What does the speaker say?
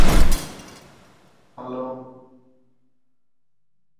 This can lead to an increase in the value of the primary market.